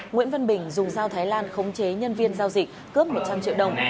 nguyễn văn bình dùng dao thái lan khống chế nhân viên giao dịch cướp một trăm linh triệu đồng